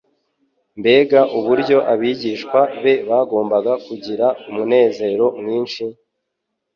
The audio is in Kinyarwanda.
Mbega uburyo abigishwa be bagombaga kugira umunezero mwinshi,